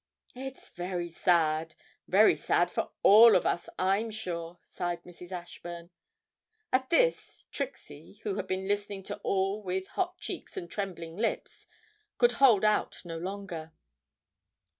'It's very sad very sad for all of us, I'm sure,' sighed Mrs. Ashburn. At this, Trixie, who had been listening to it all with hot cheeks and trembling lips, could hold out no longer.